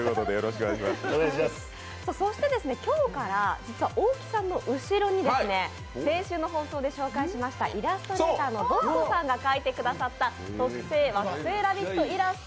そして、今日から実は大木さんの後ろに先週の放送で紹介しましたイラストレーターさんが描いてくれた特製「惑星ラヴィット！」